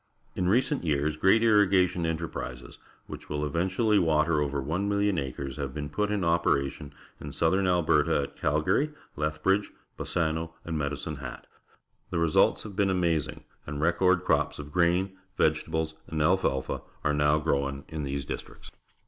In recent years great irrigation enterprises, which will eventually water over 1,000,000 acres, have been put in operation in southern Alberta at Ca/gar^j/, Leihhridge, Bassano, and Medicine^ JLoL The results have been amaz ing, and record crops of grain, vegetable s, and alfalfa are now grown in these dis tricts.